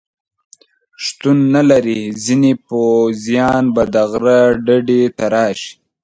شتون نه لري، ځینې پوځیان به د غره ډډې ته راشي.